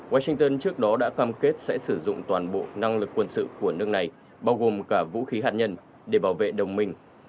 washington trước đó đã cam kết sẽ sử dụng toàn bộ năng lực quân sự của nước này bao gồm cả vũ khí hạt nhân để bảo vệ đồng minh